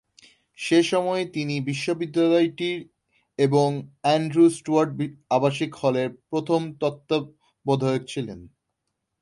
সে সময়ে তিনি বিশ্ববিদ্যালয়টির এবং অ্যান্ড্রু স্টুয়ার্ট আবাসিক হলের প্রথম তত্ত্বাবধায়ক ছিলেন।